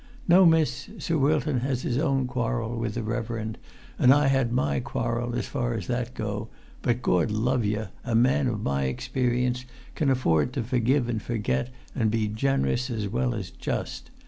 No, miss, Sir Wilton has his own quarrel with the reverend; and I had my quarrel, as far as that go; but, Gord love yer, a man of my experience can afford to forgive an' forget, an' be generous as well as just.